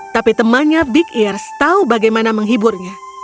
tapi temannya big ears tahu bagaimana menghiburnya